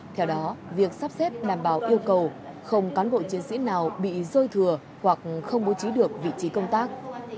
theo đó việc sắp xếp đảm bảo yêu cầu không cán bộ chiến sĩ nào bị rơi thừa hoặc không bố trí được vị trí công tác